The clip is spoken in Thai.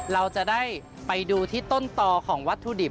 เราจะได้ไปดูที่ต้นต่อของวัตถุดิบ